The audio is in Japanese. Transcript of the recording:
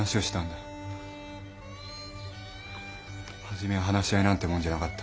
初めは話し合いなんてもんじゃなかった。